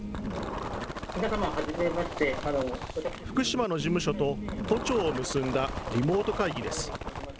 福島の事務所と都庁を結んだリモート会議です。